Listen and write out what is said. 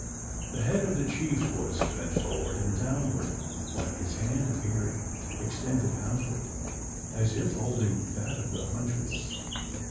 The head of the chief was bent forward and downward; while his hand appeared extended outward, as if holding that of the huntress!